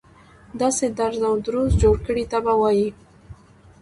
داسې درز او دروز جوړ کړي ته به وایي.